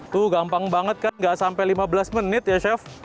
tuh gampang banget kan gak sampai lima belas menit ya chef